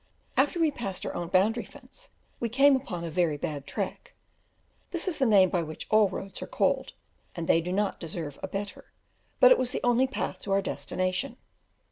After we passed our own boundary fence we came upon a very bad track, this is the name by which all roads are called, and they do not deserve a better, but it was the only path to our destination.